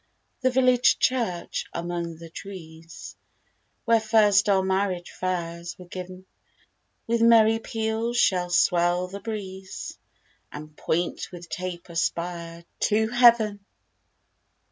The village church, among the trees, Where first our marriage vows were giv'n, With merry peals shall swell the breeze, And point with taper spire to heav'n.